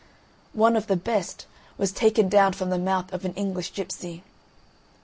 One of the best was taken down from the mouth of an English Gipsy.